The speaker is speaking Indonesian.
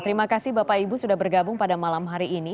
terima kasih bapak ibu sudah bergabung pada malam hari ini